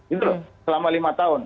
itu selama lima tahun